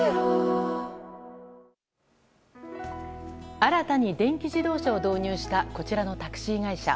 新たに電気自動車を導入したこちらのタクシー会社。